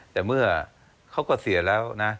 แต่เมื่อเขาก็เสียแล้วนะ